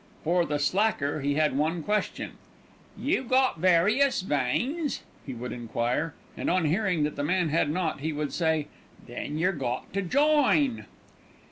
For "the slacker" he had one question. "You got various veins?" he would enquire; and on hearing that the man had not, he would say, "Then yer got to join."